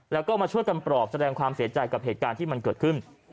แล้วก็มาช่วยกันปลอบแสดงความเสียใจกับเหตุการณ์ที่มันเกิดขึ้น